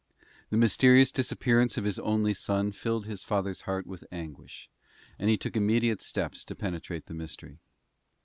The mysterious disappearance of his only son filled his father's heart with anguish, and he took immediate steps to penetrate the mystery.